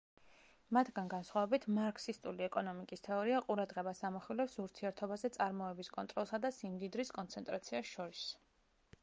მათგან განსხვავებით მარქსისტული ეკონომიკის თეორია ყურადღებას ამახვილებს ურთიერთობაზე წარმოების კონტროლსა და სიმდიდრის კონცენტრაციას შორის.